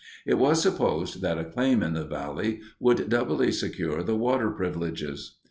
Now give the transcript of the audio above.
It was supposed that a claim in the valley would doubly secure the water privileges.